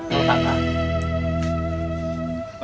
pak kalau tak ada